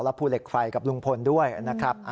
ภูเหล็กไฟกับลุงพลด้วยนะครับ